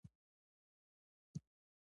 دا د بې ثباته شخصیت نښه ده.